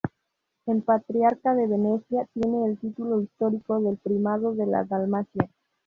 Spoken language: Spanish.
El patriarca de Venecia tiene el título histórico de primado de la Dalmacia.